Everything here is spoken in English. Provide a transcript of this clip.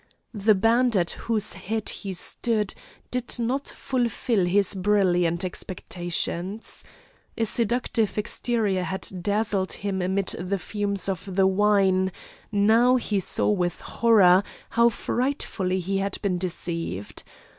The band at whose head he stood, did not fulfil his brilliant expectations. A seductive exterior had dazzled him amid the fumes of the wine; now he saw with horror how frightfully he had been deceived.